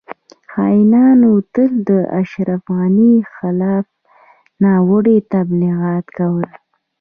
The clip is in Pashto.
خاینانو تل د اشرف غنی خلاف ناوړه تبلیغات کول